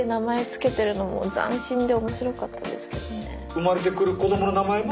生まれてくる子供の名前も。